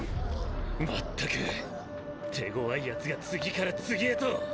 全く手ごわい奴が次から次へと。